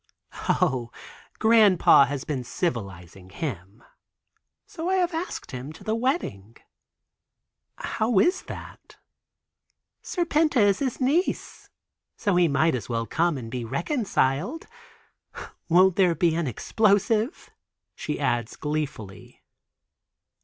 "O, Grandpa has been civilizing him, so I have asked him to the wedding." "How is that?" "Serpenta is his niece, so he might as well come and be reconciled. Won't there be an explosive," she adds gleefully.